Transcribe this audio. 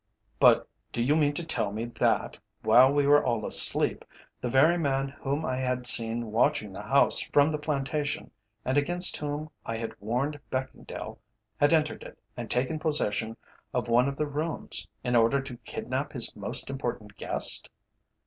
"But do you mean to tell me that, while we were all asleep, the very man whom I had seen watching the house from the plantation, and against whom I had warned Beckingdale, had entered it and taken possession of one of the rooms, in order to kidnap his most important guest?"